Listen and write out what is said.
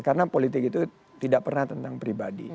karena politik itu tidak pernah tentang pribadi